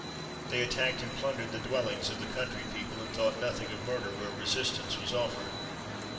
They attacked and plundered the dwellings of the country people, and thought nothing of murder where resistance was offered.